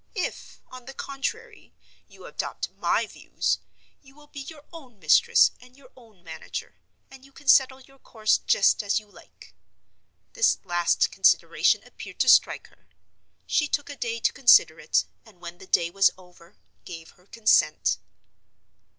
If, on the contrary, you adopt my views, you will be your own mistress and your own manager, and you can settle your course just as you like." This last consideration appeared to strike her. She took a day to consider it; and, when the day was over, gave her consent.